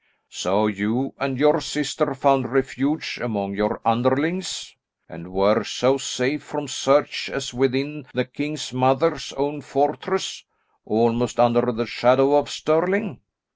So you and your sister found refuge among your underlings? and where so safe from search as within the king's mother's own fortress, almost under the shadow of Stirling?